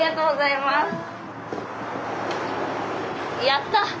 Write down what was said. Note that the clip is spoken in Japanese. やった！